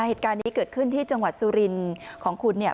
เหตุการณ์นี้เกิดขึ้นที่จังหวัดสุรินทร์ของคุณเนี่ย